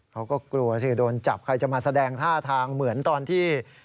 เขาก็กลัวสิโดนจับใครจะมาแสดงท่าทางเหมือนตอนที่